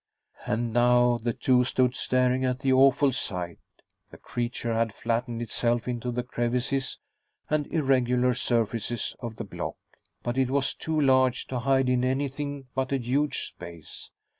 And now the two stood staring at the awful sight. The creature had flattened itself into the crevices and irregular surfaces of the block, but it was too large to hide in anything but a huge space.